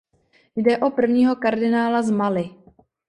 Jde o prvního kardinála z Mali.